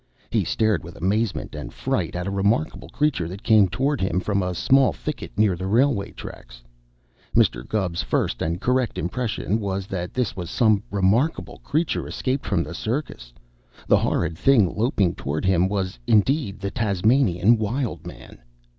He stared with amazement and fright at a remarkable creature that came toward him from a small thicket near the railway tracks. Mr. Gubb's first and correct impression was that this was some remarkable creature escaped from the circus. The horrid thing loping toward him was, indeed, the Tasmanian Wild Man!